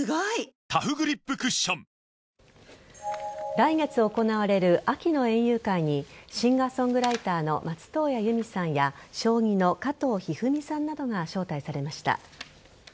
来月行われる秋の園遊会にシンガーソングライターの松任谷由実さんや将棋の加藤一二三さんなどが招待されました。